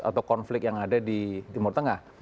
atau konflik yang ada di timur tengah